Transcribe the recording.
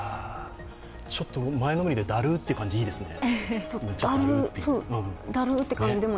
ちょっと前のめりでだるって感じがいいですね。